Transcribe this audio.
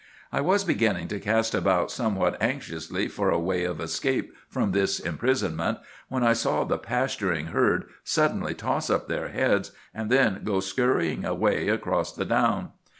"I was beginning to cast about somewhat anxiously for a way of escape from this imprisonment, when I saw the pasturing herd suddenly toss up their heads, and then go scurrying away across the down.